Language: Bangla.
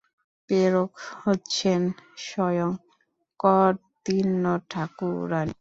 প্রেরক হচ্ছেন স্বয়ং কর্ত্রীঠাকুরানী।